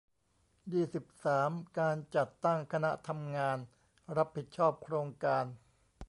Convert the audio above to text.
ยี่สิบสาม การจัดตั้งคณะทำงานรับผิดชอบโครงการ